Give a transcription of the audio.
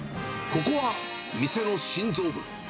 ここは店の心臓部。